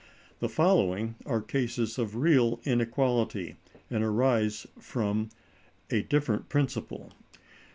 The following are cases of real inequality, and arise from a different principle.